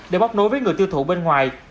để bóc nối với người tiêu thụ bên ngoài